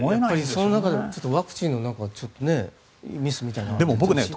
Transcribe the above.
その中でワクチンのミスみたいなのもあって。